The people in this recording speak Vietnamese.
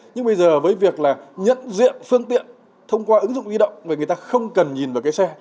nhưng bây giờ với việc là nhận diện phương tiện thông qua ứng dụng di động vậy người ta không cần nhìn vào cái xe